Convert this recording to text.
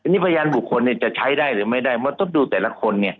นี่พยานบุคคลจะใช้ได้หรือไม่ได้เพราะต้องดูแต่ละคน